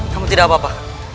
kamu tidak apa apa